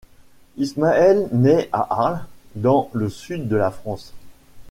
Ismaël naît à Arles, dans le sud de la France.